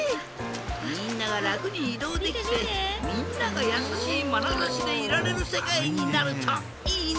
みんながらくにいどうできてみんながやさしいまなざしでいられるせかいになるといいね！